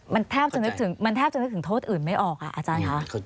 มันแทบจะนึกถึงโทษอื่นไม่ออกอ่ะอาจารย์ครับ